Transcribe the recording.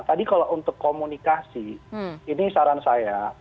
tadi kalau untuk komunikasi ini saran saya